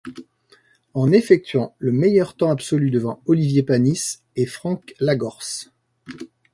En effectuant le meilleur temps absolu devant Olivier Panis et Franck Lagorce.